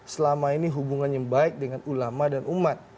selama ini hubungannya baik dengan ulama dan umat